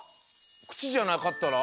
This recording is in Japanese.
くちじゃなかったら。